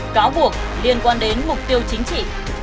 cáo buộc liên quan đến mục tiêu chính trị